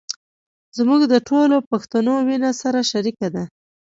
زموږ د ټولو پښتنو وينه سره شریکه ده.